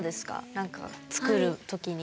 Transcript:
何か、作る時に。